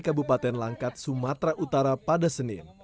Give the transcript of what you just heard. kabupaten langkat sumatera utara pada senin